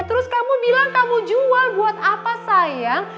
terus kamu bilang kamu jual buat apa sayang